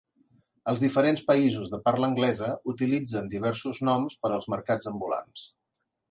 Els diferents països de parla anglesa utilitzen diversos noms per als mercats ambulants.